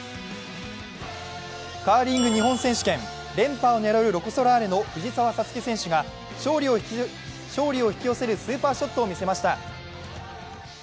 カーリング日本選手権、連覇を狙うロコ・ソラーレの藤澤五月選手が勝利を引き寄せるスーパーショットを見せました。